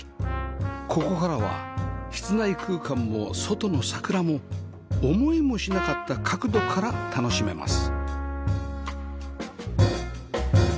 ここからは室内空間も外の桜も思いもしなかった角度から楽しめます